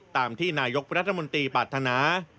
ตามที่นายกรัฐมนตรีปรารถนา